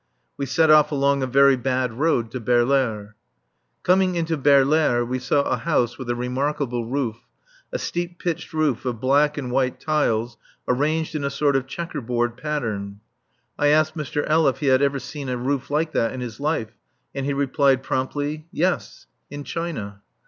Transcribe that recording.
We set off along a very bad road to Baerlaere. Coming into Baerlaere, we saw a house with a remarkable roof, a steep pitched roof of black and white tiles arranged in a sort of chequer board pattern. I asked Mr. L. if he had ever seen a roof like that in his life and he replied promptly, "Yes; in China."